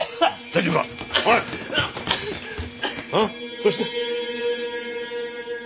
どうした！？